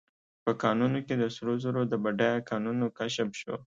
په کانونو کې د سرو زرو د بډایه کانونو کشف شو.